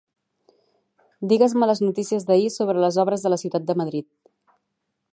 Digues-me les notícies d'ahir sobre les obres a la ciutat de Madrid.